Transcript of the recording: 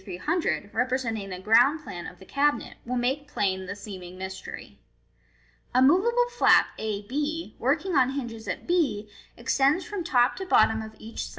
300, representing a ground plan of the cabinet, will make plain the seeming mystery. A moveable flap a Df working on hinges at b, extends from top to bottom of each side, Fig, 299.